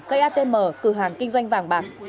cây atm cửa hàng kinh doanh vàng bạc